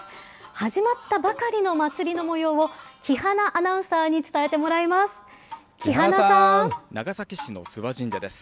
始まったばかりの祭りのもようを木花アナウンサーに伝えてもらい長崎市の諏訪神社です。